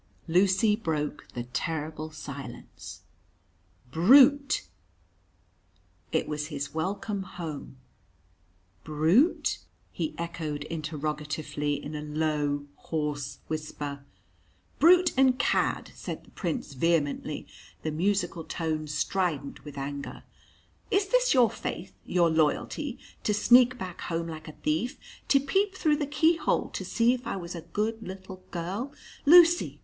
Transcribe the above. Lucy broke the terrible silence. "Brute!" It was his welcome home. "Brute?" he echoed interrogatively, in a low, hoarse whisper. "Brute and cad!" said the Prince vehemently, the musical tones strident with anger. "Is this your faith, your loyalty to sneak back home like a thief to peep through the keyhole to see if I was a good little girl ?" "Lucy!